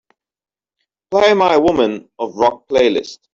Play my Women of Rock playlist.